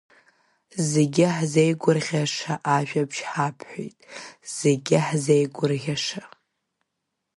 Зегьы ҳзеигәырӷьаша ажәабжь ҳабҳәеит, зегьы ҳзеигәырӷьаша!